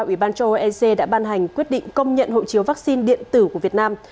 ủy ban châu âu ec đã ban hành quyết định công nhận hộ chiếu vaccine điện tử của việt nam